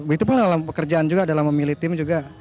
itu pun dalam pekerjaan juga dalam memilih tim juga